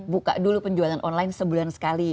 buka dulu penjualan online sebulan sekali